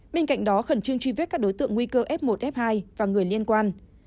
bên cạnh đó khẩn trương truy vết các đối tượng nguy cơ f một f hai và người liên quan